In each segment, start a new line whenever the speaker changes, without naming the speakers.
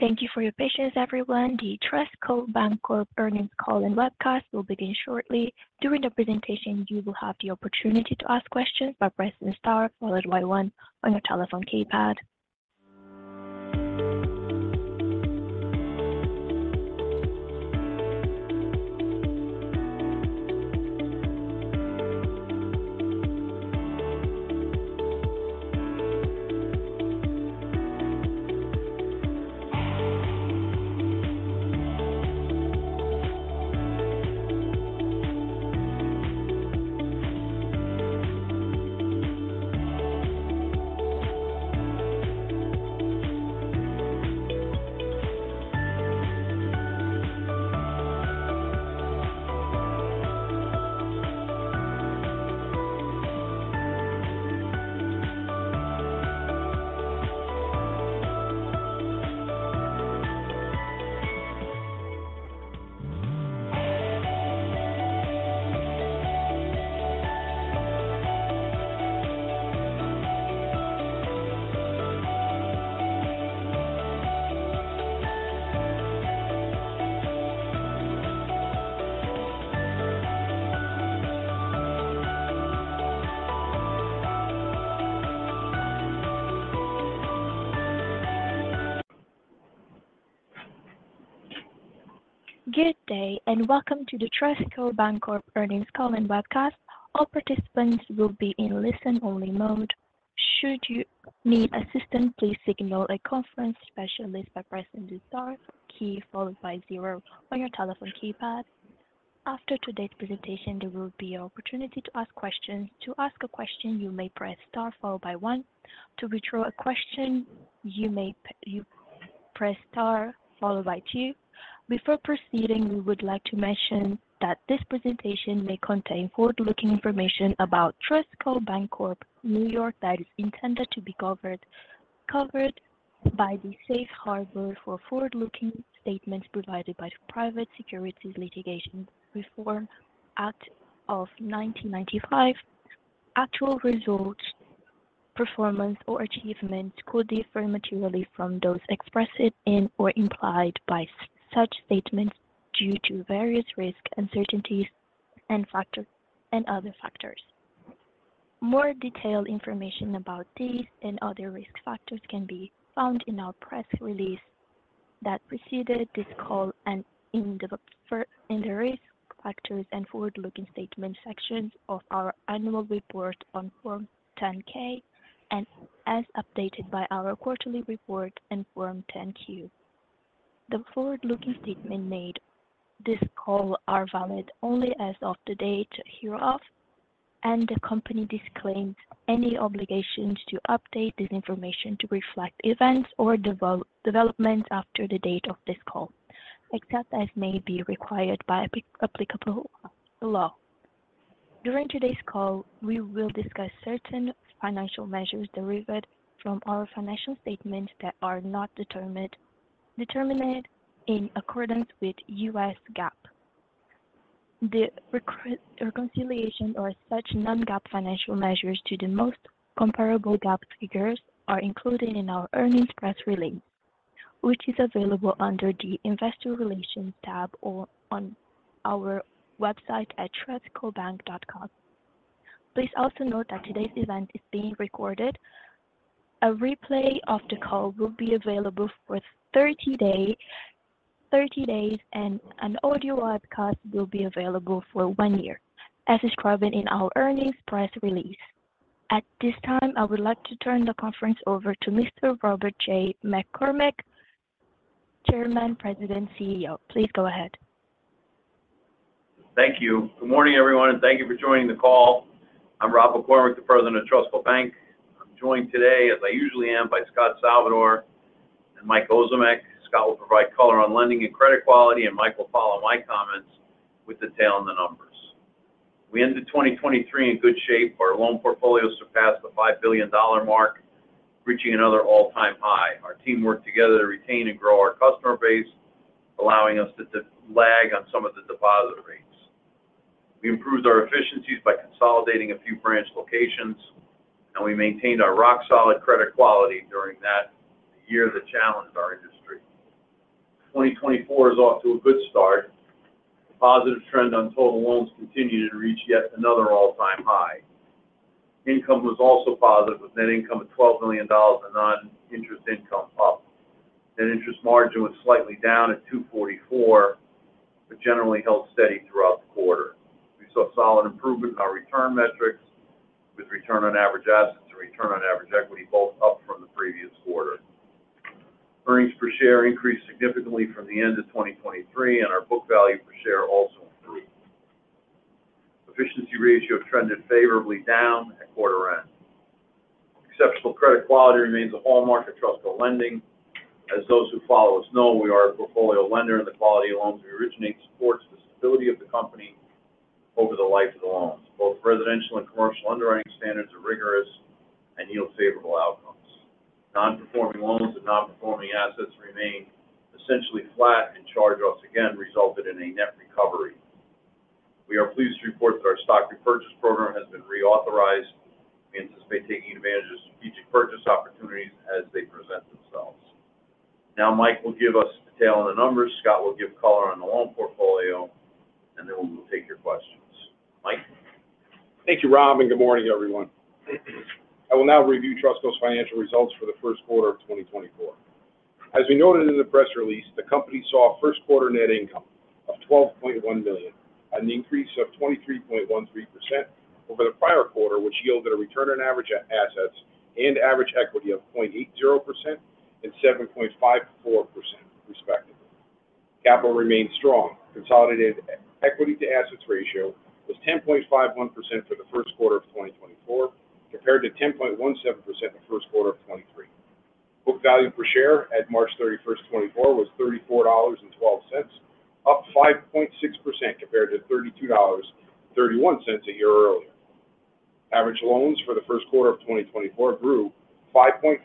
Thank you for your patience, everyone. The TrustCo Bank Corp Earnings Call and Webcast will begin shortly. During the presentation, you will have the opportunity to ask questions by pressing star followed by one on your telephone keypad. Good day, and welcome to the TrustCo Bank Corp Earnings Call and Webcast. All participants will be in listen-only mode. Should you need assistance, please signal a conference specialist by pressing the star key followed by zero on your telephone keypad. After today's presentation, there will be an opportunity to ask questions. To ask a question, you may press Star followed by one. To withdraw a question, you may press Star followed by two. Before proceeding, we would like to mention that this presentation may contain forward-looking information about TrustCo Bank Corp NY that is intended to be covered by the Safe Harbor for forward-looking statements provided by the Private Securities Litigation Reform Act of 1995. Actual results, performance, or achievements could differ materially from those expressed in or implied by such statements due to various risks, uncertainties, and factors and other factors. More detailed information about these and other risk factors can be found in our press release that preceded this call and in the risk factors and forward-looking statement sections of our annual report on Form 10-K and as updated by our quarterly report on Form 10-Q. The forward-looking statements made on this call are valid only as of the date hereof, and the company disclaims any obligation to update this information to reflect events or developments after the date of this call, except as may be required by applicable law. During today's call, we will discuss certain financial measures derived from our financial statements that are not determined in accordance with US GAAP. The reconciliation of such non-GAAP financial measures to the most comparable GAAP figures is included in our earnings press release, which is available under the Investor Relations tab on our website at trustcobank.com. Please also note that today's event is being recorded. A replay of the call will be available for 30 days, and an audio podcast will be available for 1 year, as described in our earnings press release. At this time, I would like to turn the conference over to Mr. Robert J. McCormick, Chairman, President, CEO. Please go ahead.
Thank you. Good morning, everyone, and thank you for joining the call. I'm Rob McCormick, the President of TrustCo Bank. I'm joined today, as I usually am, by Scott Salvador and Mike Ozimek. Scott will provide color on lending and credit quality, and Mike will follow my comments with detail on the numbers. We ended 2023 in good shape. Our loan portfolio surpassed the $5 billion mark, reaching another all-time high. Our team worked together to retain and grow our customer base, allowing us to lag on some of the depositor rates. We improved our efficiencies by consolidating a few branch locations, and we maintained our rock-solid credit quality during that year that challenged our industry. 2024 is off to a good start. Positive trend on total loans continued to reach yet another all-time high. Income was also positive, with net income of $12 million and non-interest income up. Net interest margin was slightly down at 2.44, but generally held steady throughout the quarter. We saw solid improvement in our return metrics, with return on average assets and return on average equity both up from the previous quarter. Earnings per share increased significantly from the end of 2023, and our book value per share also improved. Efficiency ratio trended favorably down at quarter end. Exceptional credit quality remains a hallmark of TrustCo lending. As those who follow us know, we are a portfolio lender, and the quality of loans we originate supports the stability of the company over the life of the loans. Both residential and commercial underwriting standards are rigorous and yield favorable outcomes. Non-performing loans and non-performing assets remain essentially flat, and charge-offs again resulted in a net recovery. We are pleased to report that our stock repurchase program has been reauthorized. We anticipate taking advantage of strategic purchase opportunities as they present themselves. Now, Mike will give us detail on the numbers, Scott will give color on the loan portfolio, and then we'll take your questions. Mike?
Thank you, Rob, and good morning, everyone. I will now review TrustCo's financial results for the first quarter of 2024. As we noted in the press release, the company saw a first quarter net income of $12.1 million, an increase of 23.13% over the prior quarter, which yielded a return on average assets and average equity of 0.80% and 7.54% respectively. Capital remains strong. Consolidated equity to assets ratio was 10.51% for the first quarter of 2024, compared to 10.17% in the first quarter of 2023. Book value per share at March 31, 2024 was $34.12, up 5.6% compared to $32.31 a year earlier. Average loans for the first quarter of 2024 grew 5.2%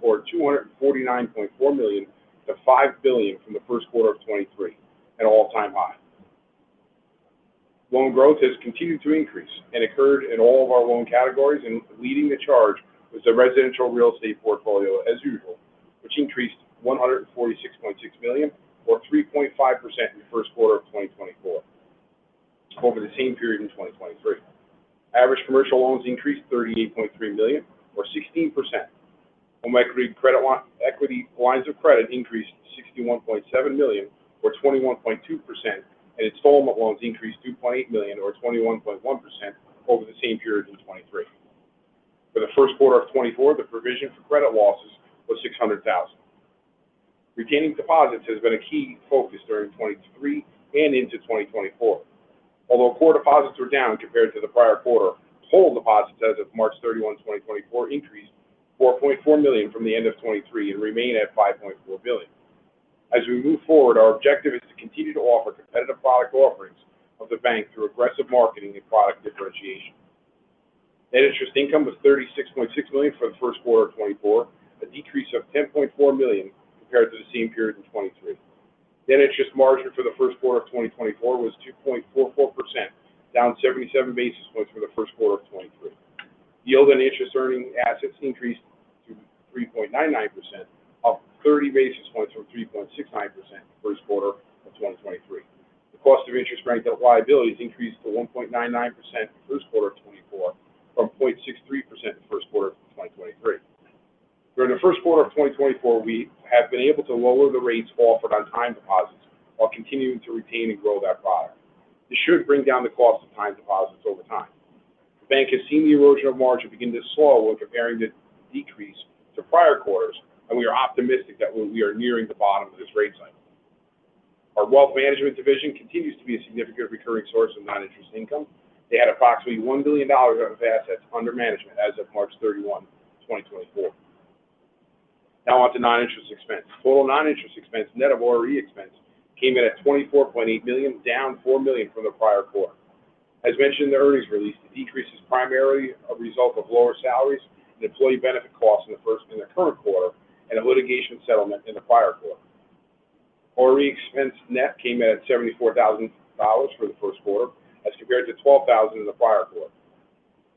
or $249.4 million to $5 billion from the first quarter of 2023, an all-time high. Loan growth has continued to increase and occurred in all of our loan categories, and leading the charge was the residential real estate portfolio as usual, which increased $146.6 million or 3.5% in the first quarter of 2024 over the same period in 2023. Average commercial loans increased $38.3 million or 16%. Home equity lines of credit increased $61.7 million or 21.2%, and installment loans increased $2.8 million or 21.1% over the same period in 2023. For the first quarter of 2024, the provision for credit losses was $600,000. Retaining deposits has been a key focus during 2023 and into 2024. Although core deposits were down compared to the prior quarter, total deposits as of March 31, 2024, increased $4.4 million from the end of 2023 and remain at $5.4 billion. As we move forward, our objective is to continue to offer competitive product offerings of the bank through aggressive marketing and product differentiation. Net interest income was $36.6 million for the first quarter of 2024, a decrease of $10.4 million compared to the same period in 2023. Net interest margin for the first quarter of 2024 was 2.44%, down 77 basis points for the first quarter of 2023. Yield on interest-earning assets increased to 3.99%, up 30 basis points from 3.69% in the first quarter of 2023. The cost of interest-bearing liabilities increased to 1.99% in the first quarter of 2024 from 0.63% in the first quarter of 2023. During the first quarter of 2024, we have been able to lower the rates offered on time deposits while continuing to retain and grow that product. This should bring down the cost of time deposits over time. The bank has seen the erosion of margin begin to slow when comparing the decrease to prior quarters, and we are optimistic that we are nearing the bottom of this rate cycle. Our wealth management division continues to be a significant recurring source of non-interest income. They had approximately $1 billion of assets under management as of March 31, 2024. Now on to non-interest expense. Total non-interest expense, net of ORE expense, came in at $24.8 million, down $4 million from the prior quarter. As mentioned in the earnings release, the decrease is primarily a result of lower salaries and employee benefit costs in the current quarter and a litigation settlement in the prior quarter. ORE expense net came in at $74,000 for the first quarter as compared to $12,000 in the prior quarter.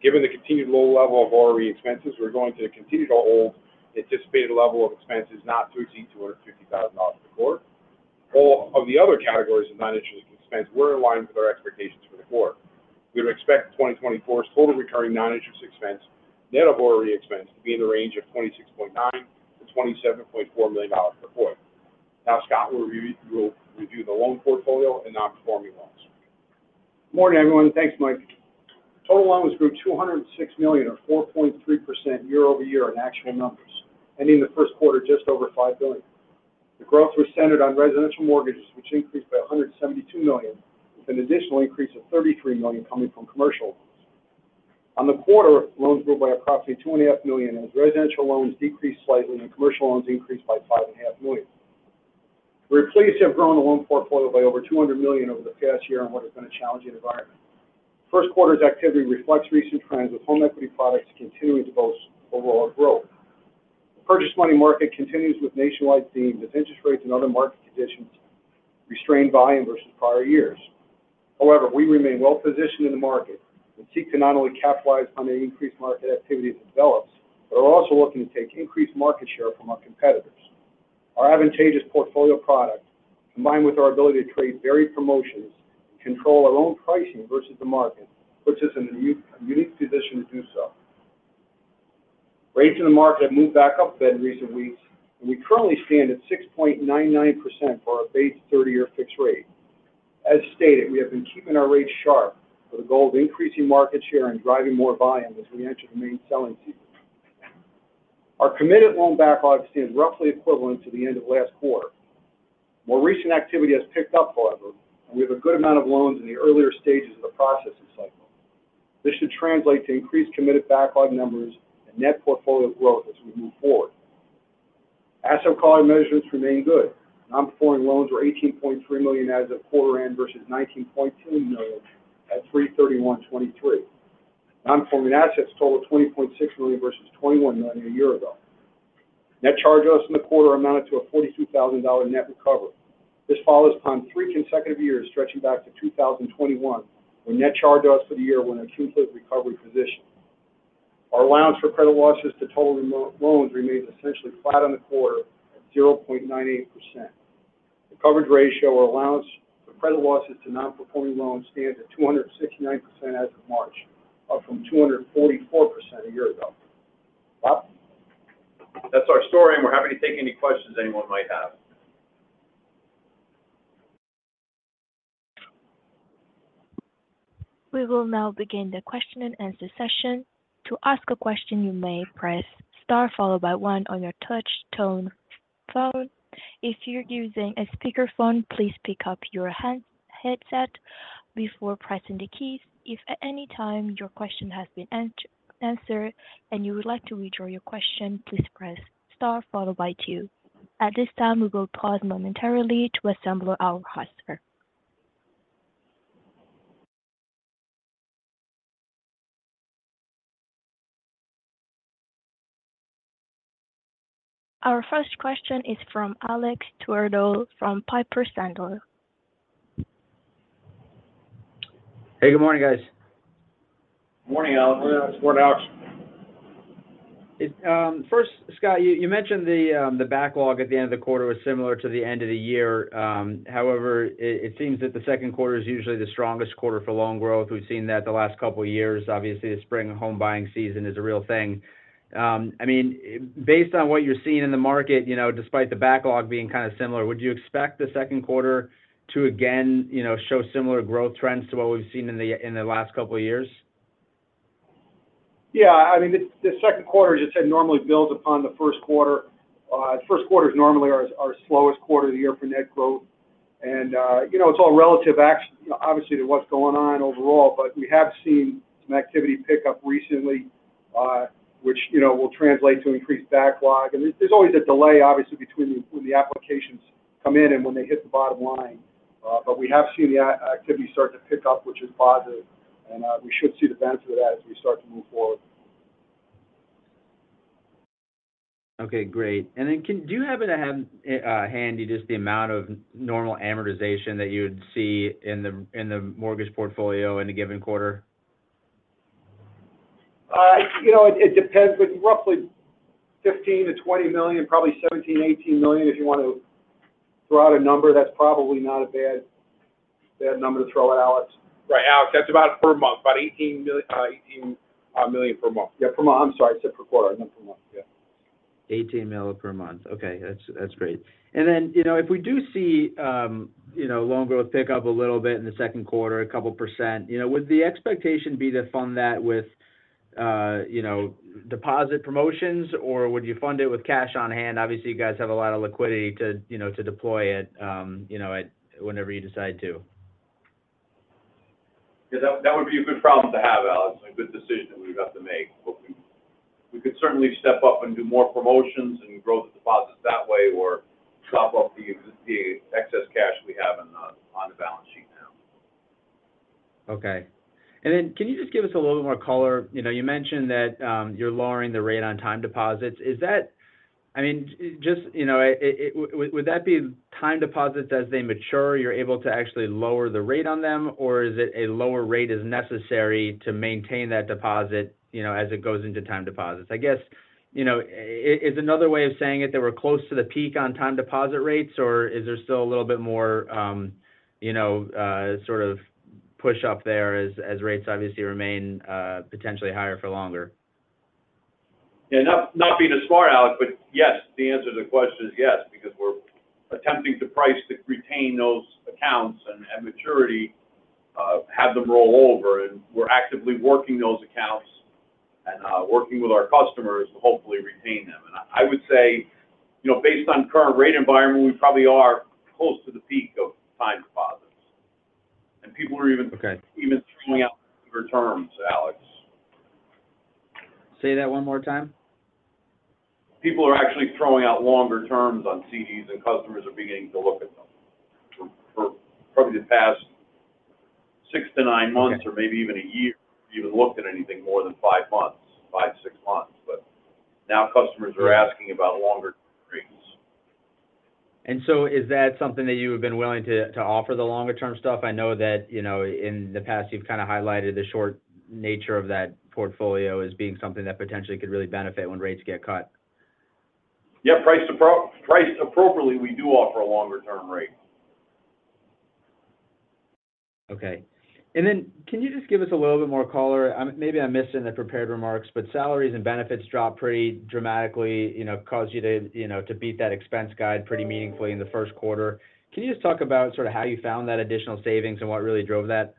Given the continued low level of ORE expenses, we're going to continue to hold the anticipated level of expenses not to exceed $250,000 in the quarter. All of the other categories of non-interest expense were in line with our expectations for the quarter. We would expect 2024's total recurring non-interest expense, net of ORE expense, to be in the range of $26.9 million-$27.4 million per quarter. Now, Scott will review the loan portfolio and non-performing loans. Morning, everyone, and thanks, Mike. Total loans grew $206 million or 4.3% year-over-year in actual numbers, ending the first quarter just over $5 billion. The growth was centered on residential mortgages, which increased by $172 million, with an additional increase of $33 million coming from commercial loans. On the quarter, loans grew by approximately $2.5 million, as residential loans decreased slightly and commercial loans increased by $5.5 million. We're pleased to have grown the loan portfolio by over $200 million over the past year in what has been a challenging environment. First quarter's activity reflects recent trends, with home equity products continuing to boast overall growth. The purchase money market continues with nationwide themes, with interest rates and other market conditions restraining volume versus prior years. However, we remain well-positioned in the market and seek to not only capitalize on the increased market activity that develops, but we're also looking to take increased market share from our competitors. Our advantageous portfolio product, combined with our ability to trade varied promotions and control our loan pricing versus the market, puts us in a unique position to do so. Rates in the market have moved back up then in recent weeks, and we currently stand at 6.99% for our base 30-year fixed rate. As stated, we have been keeping our rates sharp with the goal of increasing market share and driving more volume as we enter the main selling season. Our committed loan backlog stands roughly equivalent to the end of last quarter. More recent activity has picked up, however, and we have a good amount of loans in the earlier stages of the processing cycle. This should translate to increased committed backlog numbers and net portfolio growth as we move forward. Asset quality measures remain good. Non-performing loans were $18.3 million as of quarter end versus $19.2 million at 3/31/2023. Non-performing assets total $20.6 million versus $21 million a year ago.... Net charge-offs in the quarter amounted to a $42,000 net recovery. This follows upon three consecutive years, stretching back to 2021, when net charge-offs for the year were in a complete recovery position. Our allowance for credit losses to total loans remains essentially flat on the quarter at 0.98%. The coverage ratio or allowance for credit losses to non-performing loans stands at 269% as of March, up from 244% a year ago. Well, that's our story, and we're happy to take any questions anyone might have.
We will now begin the question and answer session. To ask a question, you may press star, followed by one on your touch-tone phone. If you're using a speakerphone, please pick up your handset before pressing the keys. If at any time your question has been answered, and you would like to withdraw your question, please press star, followed by two. At this time, we will pause momentarily to assemble our first. Our first question is from Alex Twerdahl from Piper Sandler.
Hey, good morning, guys.
Morning, Alex. Go ahead, Alex.
First, Scott, you mentioned the backlog at the end of the quarter was similar to the end of the year. However, it seems that the second quarter is usually the strongest quarter for loan growth. We've seen that the last couple of years. Obviously, the spring home buying season is a real thing. I mean, based on what you're seeing in the market, you know, despite the backlog being kind of similar, would you expect the second quarter to again, you know, show similar growth trends to what we've seen in the last couple of years?
Yeah, I mean, the second quarter, as you said, normally builds upon the first quarter. First quarter is normally our slowest quarter of the year for net growth. And, you know, it's all relative obviously, to what's going on overall, but we have seen some activity pick up recently, which, you know, will translate to increased backlog. And there's always a delay, obviously, between when the applications come in and when they hit the bottom line. But we have seen the activity start to pick up, which is positive, and we should see the benefit of that as we start to move forward.
Okay, great. And then do you happen to have handy just the amount of normal amortization that you would see in the mortgage portfolio in a given quarter?
You know, it depends, but roughly $15-$20 million, probably $17-$18 million, if you want to throw out a number, that's probably not a bad, bad number to throw out, Alex. Right, Alex, that's about it per month, about $18 million, $18 million per month. Yeah, per month. I'm sorry, I said per quarter, I meant per month, yeah.
$18 million per month. Okay, that's, that's great. And then, you know, if we do see, you know, loan growth pick up a little bit in the second quarter, a couple of percent, you know, would the expectation be to fund that with, you know, deposit promotions, or would you fund it with cash on hand? Obviously, you guys have a lot of liquidity to, you know, to deploy it, you know, whenever you decide to.
Yeah, that would be a good problem to have, Alex, a good decision that we'd have to make. But we could certainly step up and do more promotions and growth deposits that way or chop up the excess cash we have on the balance sheet now.
Okay. And then, can you just give us a little more color? You know, you mentioned that you're lowering the rate on time deposits. Is that—I mean, just, you know, would that be time deposits as they mature, you're able to actually lower the rate on them, or is it a lower rate is necessary to maintain that deposit, you know, as it goes into time deposits? I guess, you know, is another way of saying it, that we're close to the peak on time deposit rates, or is there still a little bit more, you know, sort of push up there as rates obviously remain potentially higher for longer?
Yeah, not, not being as smart, Alex, but yes. The answer to the question is yes, because we're attempting to price to retain those accounts and, and maturity, have them roll over, and we're actively working those accounts and, working with our customers to hopefully retain them. And I, I would say, you know, based on current rate environment, we probably are close to the peak of time deposits, and people are even-
Okay...
even throwing out longer terms, Alex.
Say that one more time?
People are actually throwing out longer terms on CDs, and customers are beginning to look at them. For probably the past 6-9 months-
Okay...
or maybe even a year, even looked at anything more than 5 months, 5-6 months. But now customers are asking about longer rates.
So is that something that you have been willing to offer, the longer-term stuff? I know that, you know, in the past, you've kind of highlighted the short nature of that portfolio as being something that potentially could really benefit when rates get cut.
Yeah, priced appropriately, we do offer a longer-term rate.
Okay. Can you just give us a little bit more color? Maybe I missed it in the prepared remarks, but salaries and benefits dropped pretty dramatically, you know, caused you to, you know, to beat that expense guide pretty meaningfully in the first quarter. Can you just talk about sort of how you found that additional savings and what really drove that?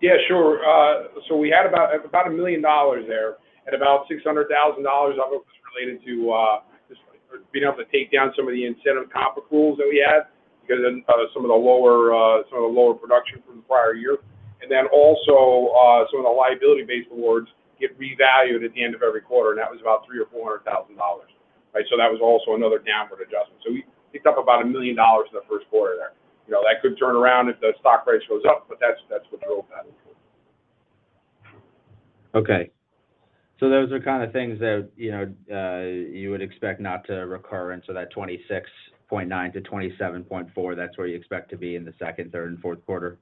Yeah, sure. So we had about $1 million there, and about $600,000 of it was related to just for being able to take down some of the incentive comp pools that we had because of some of the lower production from the prior year. And then also, some of the liability-based awards get revalued at the end of every quarter, and that was about $300,000-$400,000. Right, so that was also another downward adjustment. So we picked up about $1 million in the first quarter there. You know, that could turn around if the stock price goes up, but that's what drove that.
Okay. So those are kind of things that, you know, you would expect not to recur, and so that 26.9-27.4, that's where you expect to be in the second, third, and fourth quarter?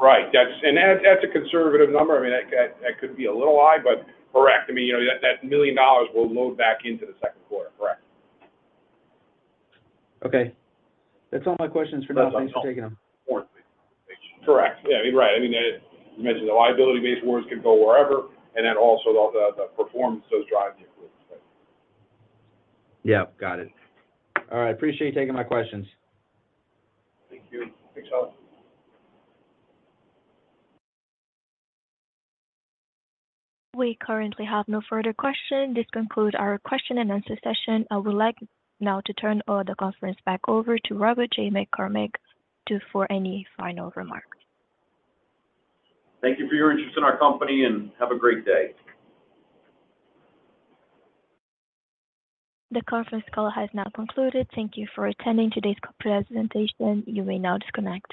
Right. That's a conservative number. I mean, that could be a little high, but correct. I mean, you know, that $1 million will load back into the second quarter. Correct.
Okay. That's all my questions for now. Thanks for taking them.
Correct. Yeah, right. I mean, you mentioned the liability-based awards can go wherever, and then also the performance those drive the influence.
Yeah, got it. All right, appreciate you taking my questions.
Thank you. Thanks, Alex.
We currently have no further questions. This concludes our question and answer session. I would like now to turn the conference back over to Robert J. McCormick for any final remarks.
Thank you for your interest in our company, and have a great day.
The conference call has now concluded. Thank you for attending today's presentation. You may now disconnect.